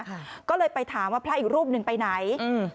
ค่ะก็เลยไปถามว่าพระอีกรูปหนึ่งไปไหนอืม